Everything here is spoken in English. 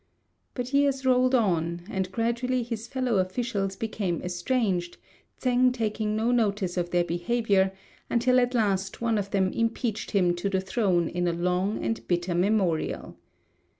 But years rolled on, and gradually his fellow officials became estranged, Tsêng taking no notice of their behaviour, until at last one of them impeached him to the Throne in a long and bitter memorial.